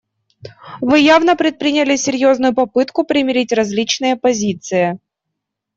Вы явно предприняли серьезную попытку примирить различные позиции.